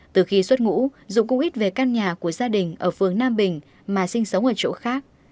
từ khi suốt ngũ dũ cung ít về căn nhà của gia đình ở phương nam bình mà sinh sống ở chỗ khác